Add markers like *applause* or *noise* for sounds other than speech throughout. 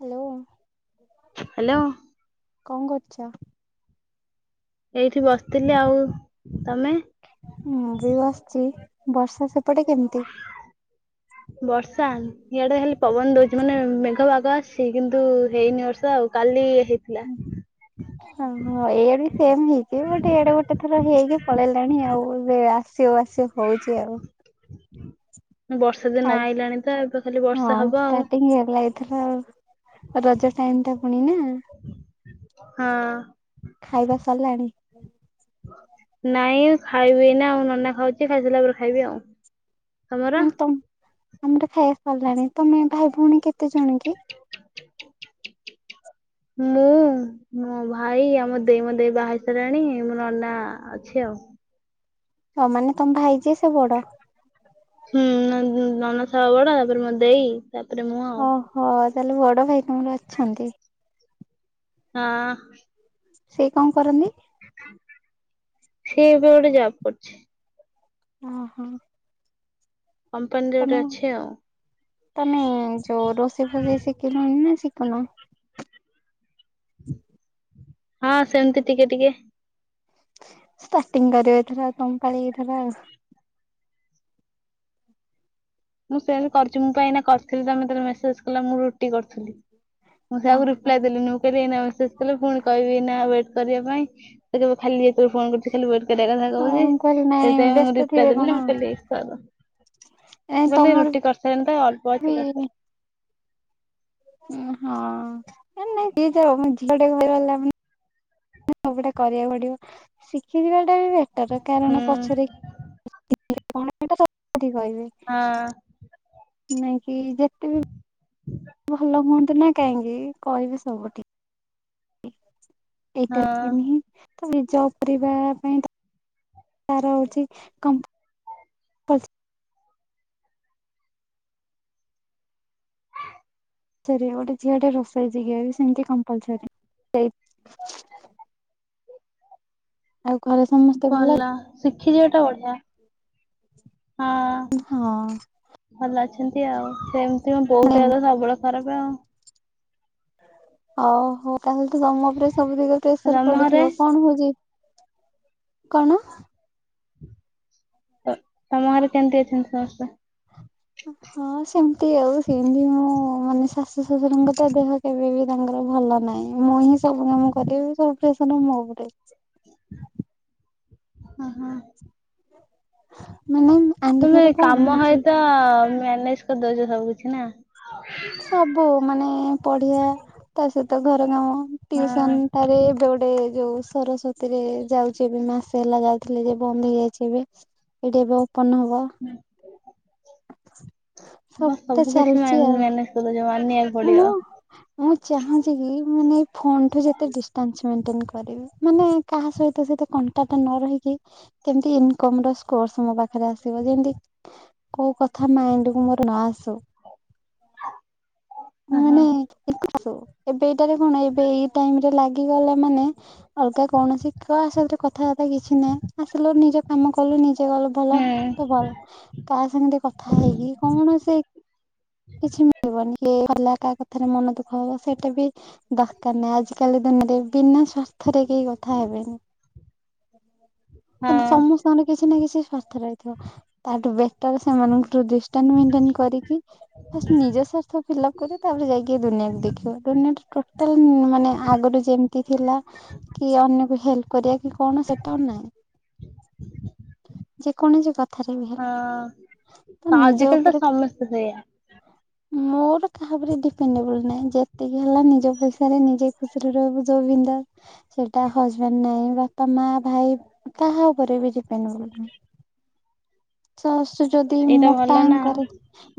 Hello. Hello. କଣ କରୁଛ? ଏଇଠି ବସିଥିଲି ଆଉ ତମେ? ମୁଁ ବି ବସିଛି। ବର୍ଷା ସେପଟେ କେମିତି? ବର୍ଷା ଇଆଡେ ହେଲେ ପବନ ଦଉଛି ମାନେ ମେଘ ପାଗ ଆସିଛି କିନ୍ତୁ ହେଇନି ବର୍ଷା ଆଉ। କାଲି ହେଇଥି ଓହୋ ଏଇଆଡେ ବି ସେମ୍ ହେଇଛି। ବଟ୍ ଇଆଡେ ଗୋଟେ ଥର ହେଇକି ପଳେଇଲାଣି ଆଉ ଏବେଆ ଶିବ ଆସିବ ହଉଚି ଆଉ। ବର୍ଷା ଦିନ ଆଇଲାଣି ତ ଏବେ ଖାଲି ଖାଇବୁ ବର୍ଷା ହଁ ହବ ଆଉ ଷ୍ଟାଟିଙ୍ଗ ହେଲା ଏଇଥର ଆଉ। ରଜ ଟାଇମ୍ ଟା ପୁଣି ନା। ହଁ। ଖାଇବା ସାରିଲାଣି? ନାଇଁ ଖାଇବି ଏଇନା ଆଉ। ନନା ଖାଉଛି ଖାଇସାଇଲା ପରେ ଖାଇବି ଆଉ। ତମର? ମାନେ ତମ୍ ତମର ଖାଇବା ସାରିଲାଣି ତମେ ଭାଇ ଭଉଣୀ କେତେ ଜଣ କି? ମୁଁ ମୋ ଭାଇ ଆଉ ମୋ ଦେଇ। ମୋ ଦେଇ ବାହା ହେଇ ସାଇଲାଣି ମୋ ନନା ଅଛି ଆଉ। ହଁ ମାନେ ତମ ଭାଇ ଯିଏ ସେ ବଡ଼ ‌? ହୁଁ ନନ୍ ନନା ସବା ବଡ ତାପରେ ମୋ ଦେଇ ତାପରେ ମୁଁ ଆଉ। ହଁ ତାହେଲେ ବଡ ଭାଇ ତମର ଅଛନ୍ତି? ହଁ। ସେ କଣ କରନ୍ତି? ସିଏ ଏବେ ଗୋଟେ ଜବ୍ କରୁଛି। ଓହୋ। କମ୍ପାନୀରେ ତମେ ଗୋଟେ ଅଛି ଆଉ। ତମେ ଯୋଉ ରୋଷେଇ ଫୋସେଇ ଶିକିଲଣି ନା ଶିକୁନ? ହଁ ସେମିତି ଟିକେ ଟିକେ। ଷ୍ଟାର୍ଟିଂ କରିବେ ଏଥର ତମ ପାଳି ଏଥର‌। ମୁଁ ସେ କରିୁଛି ମୁଁ କାଇଁ ନା କରିଥିଲି ତମେ ଯେତେବେଳେ ମେସେଜ କଲ ମୁଁ ରୁଟି କରିୁଥିଲି। ମୁଁ ସେୟାକୁ ଓହୋ। ରିପାଲ୍ଏ ଦେଲିନି ମୁଁ କହିଲି ଏଇନା ମେସେଜ ଲେ ପୁଣି କହିବି ନା ୱେଟ୍ କରିବା ପାଇଁ ଖାଲି ଏତୋଳୁ ଫୋନ୍ କରୁଛୁ। ଖାଲି ୱଟ୍ କରିବା କଥା ହଁ କହୁଛି ମୁଁ କହିଲି ନାଇଁ ସେଥିାଇଁ ମୁଁ ବ୍ୟସ୍ତ ରିପ୍ଲାଏ ଥିବେ କଣ ଦେଲିିନି *unintelligible* ଏ ମୁଁ କହିଲି ତମର ରୁଟି କରିସାରିଲିନି ତ ଆଉ ଅଳ୍ପ ଅଛି ବି ହଁ। କରିସାରେ। *unintelligible* *unintelligible* କରିବାକୁ ପଡିବ ଶିଖିଯିବାଟା ବି ବେଟର ହୁଁ କାରଣ ପଛରେ *unintelligible* ହଁ ନାଇଁ କି ଯେତେ ବି ଭଲ ହୁଅନ୍ତୁ ନା କାହିଁକି କହିବି ସବୁଠି ଏଇଟା ହଁ *unintelligible* ତାର ହଉଛି କମ୍ପ *unintelligible* ଗୋଟେ ଝିଅ ଟେ ରୋଷେଇଛିି ସେମିତି କମ୍ପଲସରି। ଆଉ ଘରେ ସମସ୍ତେ ଭଲ ଶିଖି ଯିବାଟା ବଢିଆ ହଁ ହଁ। ଭଲ ଅଛନ୍ତି ଆଉ ସେମିତି ମୋ ବୋଉ ଦେହ ତ ସବୁବେଳେ ଖରାପ ଆଉ। ଓହୋ ତାହାଲେ ତ ତମ ଉପରେ ସବୁ ତିକ ପ୍ରେସର ତମ ଘରେ ପଡୁଥିବ କଣ ହଉଛି? କଣ? ତ ତମ ଘରେ କେମିତି ଅଛନ୍ତି ସମସ୍ତେ? ହଁ ସେମିତି ଆଉ ସେମିତି ମୁଁ ମାନେ ଶାଶୁ ଶଶୁରଙ୍କ ତା ଦେହ ଏବେ ବି ତାଙ୍କର ଭଲ ନାହିଁ ମୁଁ ହିଁ ସବୁ କାମ କରିବି ସବୁ ପ୍ରେସର ମୋ ଉପରେ। ହଁ ହଁ। ମାନେ ତମେ ଆଣ୍ଟିଙ୍କର କଣ କାମ ହଉଛି ହଏତ ମ୍ୟାନେଜ କରିଦଉଛ ସବୁ କିଛି ନା। ସବୁ ମାନେ ପଢିଆ ତା ସହିତ ଘର କାମ ହଁ ଟିଉସନ ଟାରେ ଏବେ ଗୋଟେ ଏ ଯୋଉ ସରସ୍ୱତୀ ରେ ଯାଉଛି ଏବେ ମାସେ ହେଲା ଯାଉଥିଲେ ଯେ ବନ୍ଦ ହେଇଯାଇଛି ଏବେ। ଏଇଠି ଏବେ ଓପନ ହବ। ସବୁଟା ଚାଲିଛି ଆଉ। ତମେ ଯେ ମାନିବାକୁ ପଡିବ। ମୁଁ ମୁଁ ଚାହୁଁଛି କି ମାନେ ଏଇ ଫୋନ୍ ଠୁ ଯେତେ ଡିଷ୍ଟାନ୍ସ ମେନଟେନ କରିବୁ ମାନେ କାହା ସହିତ କଣ୍ଟାଟ ନ ରହିକି କେମତି ଇନକମ ର ସୋର୍ସ ମୋ ପାଖରେ ଆସିବ ଯେମତି କୋଉ କଥା ମାଇଣ୍ଡ କୁ ମୋର ନ ଆସୁ ଓହୋ ମାନେ *unintelligible* ଏବେ ଏଇଟାରେ କଣ ଏବେ ଏଇ ଟାଇମରେ ଲାଗ ଗଲେ ମାନେ ଅଲଗା କୌଣସି କା ସାଥିରେ କଥାବାର୍ତ୍ତା କିଛି ନାହିଁ ଆସିଲ ନିଜ କାମ କଲୁ ନିଜେ ଗଲୁ ଭଲ ହୁଁ ତ ଭଲ। କାହା ସାଙ୍ଗରେ କଥା ହେଇକି କୌଣସି କିଛି ମିଳିବନି। କିଏ ଗଲା କାହା କଥାରେ ମନ ଦୁଃଖ ହବ ସେଇଟା ବି ଦରକାର ନାହିଁ ଆଜିକାଲି ଦୁନିଆରେ ବିନା ସ୍ୱାର୍ଥ ଥରେ କେହି କଥା ହେବେନି ହଁ। ଏମିତି ସମସ୍ତ ତାର କିଛି ନାଁ କିଛି ସ୍ଵାର୍ଥ ରହିଥିବ। ତାଠୁଁ ବେଟର ସେମାନଙ୍କଠୁଟ ଡିଷ୍ଟାନ୍ସ ମେଟର୍ନ କରିକି ହେଁ ନିଜ ସ୍ଵାର୍ଥ କଲାପରେ ତାପରେ ଯାଇକି ଦୁନିଆକୁ ଦେଖିବା ଦୁନିଆ ଟା ଟୋଟାଲ ମାନେ ଆଗରୁ ଯେମତି ଥିଲା। କି ଅନ୍ୟ କୁ ହେଲ୍ପ କରିବା କି କଣ ସେଟା ନାହିଁ? ଯେକୌଣସି କଥା ଥାରେ ବି ହଁ ହେଲେ ତ ନିଜ ଆଜିକାଲି ତ ଉପରେ ସମସ୍ତେ ସେଇଆ ମୋର କାହା ଉପରେ ଡିପେଁଣ୍ଡେବୁଲ ନାହିଁ ଯେତିକି ହେଲା ନିଜ ପଇସାରେ ନିଜେ ଖୁସିରେ ରହିବୁ ଯୋଉଁ ବିନଦାସ। ସେଇଟା ହଜବେଣ୍ଡ ନାଇଁ ବାପା ମା ଭାଇ କାହା ଉପରେ ବି ଡିପେଣ୍ଡେବୁଲ ନୁହେଁ। ତ ସଁ ଯଦି ସେଇଟା ଭଲ ମୋଟା ନା। ଆଙ୍କରେ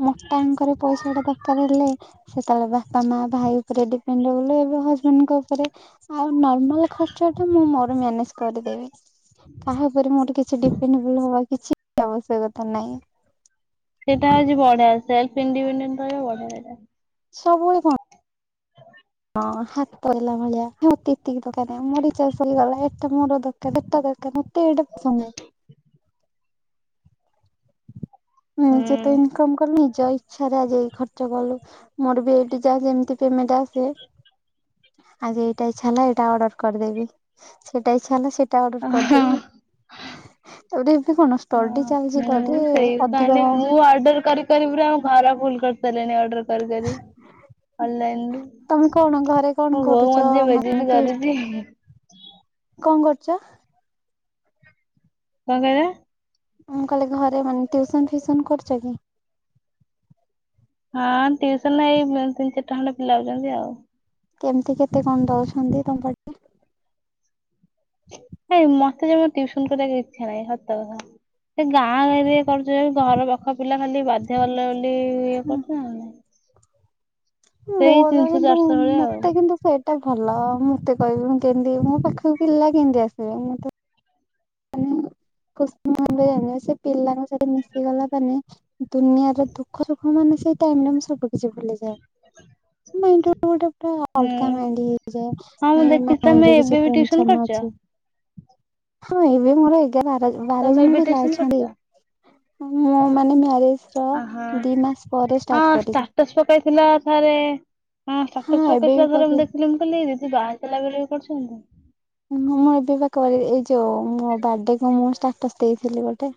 ମୋଟା ଆଙ୍କରେ ପଇସା ଟା ଦରକାର ହେଲେ। ସେତେବେଳେ ବାପା ମା ଭାଇ ଉପରେ ଡିପେଣ୍ଡେବୁଲ ଏବେ ହଜବେଣ୍ଡଙ୍କ ଉପରେ। ଆଉ ନର୍ମାଲ ଖର୍ଚ୍ଚ ତ ମୁଁ ମୋର ମ୍ୟାନେଜ କରିଦେବି। କାହା ଉପରେ ମୋର କିଛି ଡିପେଣ୍ଡେବୁଲ ହବାରେ କିଛି ଆବଶ୍ୟକତା ନାହିଁ। ସେଇଟା ଆଜି ବଢିଆ ସେଲ ଇଡିପେଣ୍ଡେନ ରହିବ ବଢିଆ ଏଇଟା। ସବୁବେଳେ କଣ? ହଁ ହାତ ହେଲା ଭଳିଆ ହେ ମୋତେ ଏତିକି ଦରକାର ନାହିଁ ମୋ ରିଚାର୍ଜ ସରିଗଲା ହେ ଏଟା ମୋର ଦରକାର ସେଟା ଦରକାର। ମୋତେ ଏଇଟା ପସନ୍ଦ ନାହିଁ। ହୁ ହୁଁ। ନିଜେ ତ ଇନକମ୍ କରୁନି ଯାଇ ଇଚ୍ଛାରେ ଆଜି ଏଇ ଖର୍ଚ୍ଚ କଲୁ ମୋର ବି ଏଇଠି ଯା ଯେମିତି ପେମେଣ୍ଟ ଆସେ ଆଜି ଏଇଟା ଇଚ୍ଛା ହେଲା ଏଇଟା ଅର୍ଡର କରିଦେବି ସେଇଟା ଇଚ୍ଛା ହେଲା ସେଇ ଟା ଅର୍ଡର ହଁ କରିଦେବି। ତାକୁ ଟିକେ ଏମିତି କହୁନ ଷ୍ଟଡି ହଁ ଚାଲିଛି ତ ମୁଁ ଟିକେ ସେଇ ଅଧିକ ଖାଲି ମୁଁ ଆର୍ଡର କରିି କରି ପୁରା ଆମ ଘର ଫୁଲ କରି ସାରିଲିଣି ଅର୍ଡର କରିିକରି। ଅନ୍ଲାଇନ ରୁ ତମେ କଣ ଘରେ କଣ ମୋ ବୋଉ କରୁଛ ମୋତେ ଯୋଉଁ ମାନେ ଭେଜିତ୍ ଟିଉ କରୁଚି। କଣ କରୁଛ? କଣ କହିଲା? ମୁଁ କହିଲି ଘରେ ମାନେ ଟ୍ୟଉସନ ଫିୁସନ କରୁଛ କି? ହଁ। ଟିଉସନ ଏଇ ମଁ ତିନି ଚାରିଟା ଖଣ୍ଡେ ପିଲା ଆଉଛନ୍ତି ଆଉ। କେମିତି କେତେ କଣ ଦଉଛନ୍ତି ତମ ପାଇଁ ହେଇଁ ମୋତେ ଜମା ଟିଉସନ କରିବାକୁ ଇଛା ନାହିଁ ସତ କଥା। ସେ ଗାଁ ରେ କରୁଛବୋଲି ଘର ଗପା ପାଖ ପିଲା ଖାଲି ବାଧ୍ୟ କଲେ ବୋଲି ଇଏ କରୁଚି ନ ହେଲେ ନାଇଁ। ସେଇ ମୋର ତିନିଶହ କିନ୍ତୁ ଚାରିଶହ ଭଳିଆ ଆଉ ହୁଁ। ମୋତେ କିନ୍ତୁ କୁହେ ଏଟା ଭଲ ମୋତେ କହିବେ ମୁଁ କେମିତି ମୋ ପାଖକୁ ପିଲା କେମିତି ଆସିବେ ମୁଁ ମାନେ ଆକ୍ଷ୍ମତରେ ସେ ପିଲାଙ୍କ ସହିତ ମିଶିଗଲା ମାନେ ଦୁନିଆର ଦୁଃଖ ସୁଖ ମାନେ ସେଇ ଟାଇମରେ ମୁଁ ସବୁ କିିଛି ଭୁଲିଯାଏ। ମାଇଣ୍ଡି ରେ ଗୋଟେ ପୁରା ଅଲଗା ମାଇଣ୍ଡି ହେଇଯାଏ। ହଁ ମୁଁ ଦେଖିଛି ନାଇଁ ତମେ ଯୋଉଁ ଏବେ କିଛି ବି ଟିଉସନ ଟେନସନ୍ କରୁଛ ଅଛି। ହଁ ଏବେ ମୋର ଏଗାର ବାର ବାର ତମେ ଜଣ ଏବେ ପିଲା ଟିଉସନ ଅଛନ୍ତି। କରୁଛ? ମୁଁ ମାନେ ମ୍ୟାରେଜ୍ ଅଁ ହୋ ହଁ ଷ୍ଟାଟସ୍ ପକେଇଥିଲ ଥରେ। ହଁ ଷ୍ଟାଟସ୍ ପକେଇ ଥିଲ ଥରେ ମୁଁ ଦେଖଥିଲି ମୁଁ କହିଲି ଦିଦି ବାହା ହେଇ ସାଇଲା ପରେ ବି କରୁଛନ୍ତି। ହୁଁ ମୁଁ ଏବେ ପା କରେ ଏଇ ଯୋଉଁ ମୋ ବାର୍ଥଡେ କୁ ମୁଁ ଷ୍ଟାଟସ ଦେଇଥିଲି ଗୋଟେ।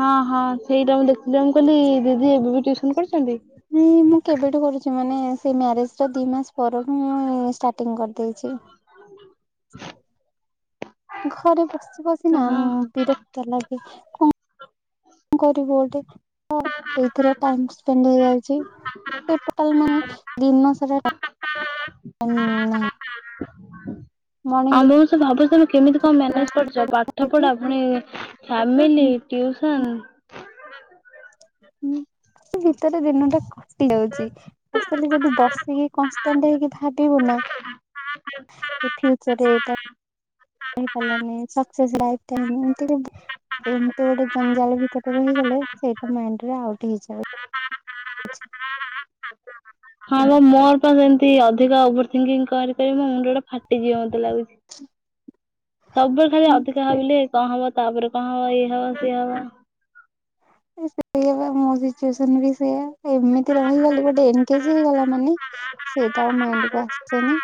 ହଁ ହଁ ସେଇଟା ମୁଁ ଦେଖଥିଲି ମୁଁ କହିଲି ଦିଦି ଏବେ ବି ଟିଉସନ କରୁଛନ୍ତି। ହୁଁ ହୁଁ ମୁଁ କେବେଠୁଁ କରୁଛି ମାନେ ସେ ମ୍ୟାରେଜ ର ଦିଇ ମାସ ପରଠୁଁ ମୁଁ ଷ୍ଟାର୍ଟିଂ କରିଦେଇଛି। ଘରେ ବସି ବସିନା ହଁ ମଁ ବିରକ୍ତ ଲାଗେ କମଁ କରିବୁ ଗୋଟେ, *unintelligible* ଏଇଥିରେ ଟାଇମ୍ ସ୍ପେଣ୍ଡ ହେଇଯାଉଛି। ସେ ପୋର୍ଟାଲ ମାନେ ଦିନ ସାରା ଟାଇମ ନାହିଁ। ମର୍ଣ୍ଣିଂ ଆଉ ମୁଁ ବି ସେ ଭାବୁଛି ତମେ କେମିତି କଣ ମ୍ୟାନେଜ କରୁଚ? ଉଠିକି ପାଠପଢ଼ା ପୁଣି ଫ୍ୟାମିଲି ଟିଉସନ୍। ହୁଁ, ସେ ଭିତରେ ଦିନଟା କଟି ଯାଉଚି ଆସ୍ତଲି ଯଦି ବସିକି କନଷ୍ଟାଣ୍ଟ ହେଇକି ଭାବିବୁ ନା ଏ ଫ୍ୟୁଚରରେ ଏଇଟା ହେଇପାରିଲାନି ସକ୍ସେସ୍ ଲାଇଫ୍ ଟାଇମ୍ ଏମିତି ବି ଏମତି ଗୋଟେ ଜଞ୍ଜାଳ ଭିତରେ ରହିଗଲେ ସେଇଟା ମାଇଣ୍ଡରେ ଆଉଟ୍ ହେଇଯାଏ। *inaudible* ହଁମୋ ମୋର ପା ସେମତି ଅଧିକ ଓଭର ଥିଙ୍କିଙ୍ଗ କରିପାରି ମୋ ମୁଣ୍ଡଟା ଫା ଟି ଯିବ ମତେ ଲାଗୁଛି, ସବୁବେଳେ ଖାଲି ଅଧିକା ଭାବିଲେ କଣ ହବ? ତାପରେ କଣ ହବ ଇଏ ହବ ସିଏ ହବ। *unintelligible* ସେଇୟା ପା ମୋ ସିଚ୍ୟୁସନ ବି ସେୟା, ଏମିତି ରହିଗଲି ଗୋଟେ ଏନଗେଜ୍ ଯେ ହେଇଗଲା ମାନେ ସେଇଟା ଆଉ ମାଇଣ୍ଡକୁ ଆସେନି,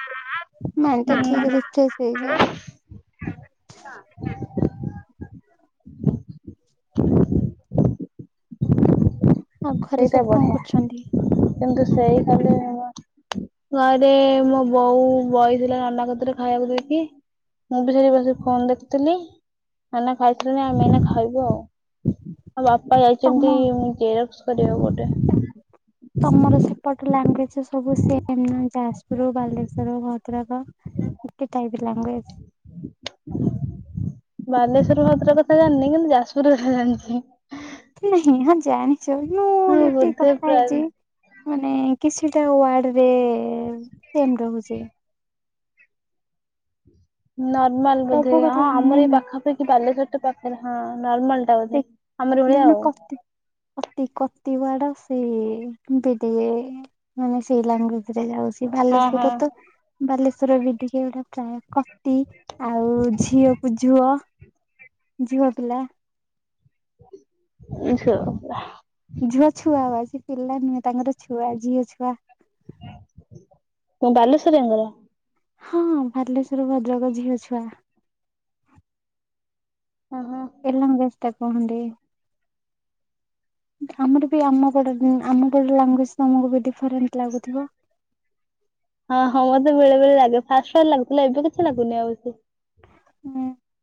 ମାଇଣ୍ଡଟା ଠିକ୍ ରିଫ୍ରେଶ ସେଇଯାଏଁ ହ ହଁ। ହୁଁ ସେଇଟା ବଢ଼ିଆ କିନ୍ତୁ ସେଇ ଗଲେ ଘରେ ମୋ ବୋଉ ବଇଥିଲା ନନା କତିରେ ଖାଇବାକୁ ଦେଇକି। ମୁଁ ବି ସେଇଠି ବସି ଫୋନ୍ ଦେଖୁଥିଲି। ନନା ଖାଇସାରିଲେଣି ଆମେ ଏଇନା ଖାଇବୁ ଆଉ। ଆଉ ବାପା ତମ ଯାଇଛନ୍ତି ଜେରକ୍ସ କରିବାକୁ ଗୋଟେ। ତମର ସେପଟ ଲାଙ୍ଗୁଏଜ୍ ସବୁ ସେମ୍ ନା *unintelligible* ରୁ ବାଲେଶ୍ଵର, ଭଦ୍ରକ ଗୋଟେ ଟାଇପ୍ ଲାଙ୍ଗୁଏଜ୍। ବାଲେଶ୍ଵର ଭଦ୍ରକ କଥା ଜାଣିିନି କିନ୍ତୁ ଯାଜପୁର କଥା ଜାଣିଛି। ନାହିଁ ହଁ ଜାଣିଛ ମୁଁ ହଁ ଏତିକି ବୋଧେ କଥା ପ୍ରାୟ ହେଇଛି। ମାନେ କିଛିଟା ଓାର୍ଡରେ ସେମ୍ ରହୁଛି। ନର୍ମାଲ ବୋଧେ ସବୁ କଥା ହଁ ଆମର ଏଇ କହୁନି ପାଖାପାଖି ବାଲେଶ୍ଵରତ ପାଖରେ ହଁ ନର୍ମାଲ। ଟା ବୋଧେ। ଆମରି ଭଳିଆ ଆଉ *unintelligible* କତି, କତି ଓାର୍ଡ ସେଇ ବିଦିଏ, ମାନେ ସେଇ ଲାଙ୍ଗୱେଜ। ରେ ଯାଉଛି, ହଁ ହଁ ବାଲେଶ୍ଵର ତ ବାଲେଶ୍ଵର ବି ଟିକେ ଏଟା ପ୍ରାୟ କତି, ଆଉ ଝିଅକୁ ଝୁଅ, ଝୁଅ ପିଲା। ଝୁଅ ପିଲା। ଝୁଅ ଛୁଆ ଆଜି ପିଲା ନୁହେଁ ତାଙ୍କର ଛୁଆ ଝିଅ ଛୁଆ। ତମ ବାଲେଶ୍ଵରିଆଙ୍କର? ହଁ ବାଲେଶ୍ଵର ଭଦ୍ରକ ଝିଅ ଛୁଆ। ଓହଁ। ଏ ଲାଙ୍ଗୁଏଜଟା କୁହନ୍ତି। ଆମର ବି ଆମ ପଟ ଉଁ ଆମ ପଟ ଲାଙ୍ଗୁଏଜ ତମକୁ ବି ଡିଫରେଣ୍ଟ ଲାଗୁଥିବ? ହଁ ହଁ ମତେ ବେଳେବେଳେ ଲାଗେ, ଫାଷ୍ଟ ଫାଷ୍ଟ ଲାଗୁଥିଲା ଏବେ କିଛି ଲାଗୁନି ଆଉ ଏତେ।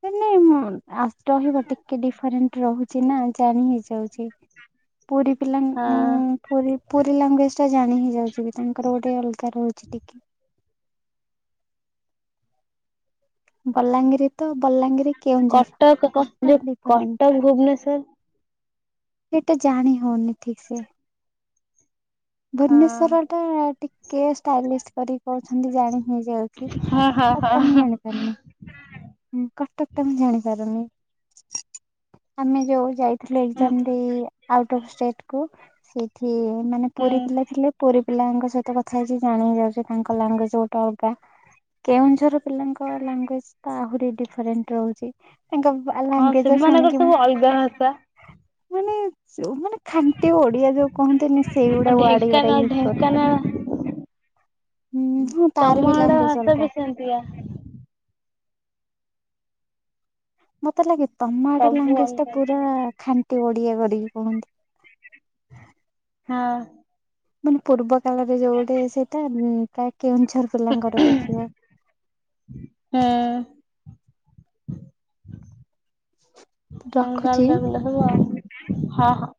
ହୁଁ ନାଇଁ ମୁଁ ଆଷ୍ଟହି ଗୋଟେ କି ଡିଫରେଣ୍ଟ ରହୁଛି ନା ଜାଣି ହେଇଯାଉଛି, ପୁରୀ ପିଲା ଉଁ ହଁ ପୁରୀ, ପୁରୀ ଲାଙ୍ଗୁଏଜଟା ଜାଣି ହେଇଯାଉଛି ବି ତାଙ୍କର ଗୋଟେ ଅଲଗା ରହୁଛି ଟିକେ। ବଲାଙ୍ଗୀରି ତ ବଲାଙ୍ଗୀରି କେଉଁଝର କଟକ ଯୋଉ ଟୋଟାଲ କଟକ ଡିଫରେଣ୍ଟ। ଭୁବନେଶ୍ଵର ଏଇଟା ଜାଣି ହଉନି ଠିକ ସେ। ଭୁବନେଶ୍ଵର ଟା ଟିକେ ଷ୍ଟାଇଲିଷ୍ଟ କରି କହୁଛନ୍ତି ଜାଣି ହେଇ ଯାଉଛି ହଁ ହଁ କଟକ ହଁ ହଁ ଟା ମୁଁ ଜାଣି ହୁଁ ପାରୁନି। ହୁଁ କଟକ ଟା ମୁଁ ଜାଣିପାରୁନି ଆମେ ଯୋଉ ଯାଇ ଥିଲା ଏକ୍ସାମ୍ ଦେଇ ଆଉଟ୍ ଅଫ୍ ଷ୍ଟେଟକୁ ସେଇଠି ମାନେ ହୁଁ ପୁରୀ ପିଲା ଥିଲେ। ପୁରୀ ପିଲାଙ୍କ ସହିତ କଥା ହେଇଛି ଜାଣି ହେଇ ଯାଉଛି ତାଙ୍କ ଲାଙ୍ଗୁଏଜ ଗୋଟେ ଅଲଗା। କେଉଁଝର ପିଲାଙ୍କ ଲାଙ୍ଗୁଏଜ ତ ଆହୁରି ଡିଫରେଣ୍ଟ ରହୁଛି। ତାଙ୍କ ବା ହଁ ଲାଙ୍ଗୁଏଜ ସେମାନଙ୍କର ଶୁଣିକି ମୁଁ ସବୁ ଅଲଗା ଭାଷା ମାନେ ଯୋ ମାନେ ଖାଣ୍ଟି ଓଡିଆ ଯୋଉ କହନ୍ତିନି ଆ ଢେଙ୍କାନାଳ ଢେଙ୍କାନାଳ। ହୁଁ ହଁ ତାର ତମ ବି ଆଡେ ଲାଙ୍ଗୁଏଜ ହସ ଅଲଗା। ବି ସେମନ୍ତିଆ। ମତେ ଲାଗେ ତମ ଆଡର ସବୁ ଲାଙ୍ଗୁଏଜଟା ଅଲଗା ପୁରା ଅଲଗା ଖାନ୍ ଣ୍ଟି ଓଡ଼ିଆ କରିକି କୁହନ୍ତି। ହଁ। ମାନେ ପୂର୍ବ କାଳରେ ଯୋଉ ଗୋଟେ ସେଇଟା ପ୍ରାୟ କେଉଁଝର ପିଲାଙ୍କର ଦେଖିବ। ହଁ। ଅଲଗା ରଖୁଛି। ଅଲଗା *unintelligible* ହବ ହଁ ହଁ।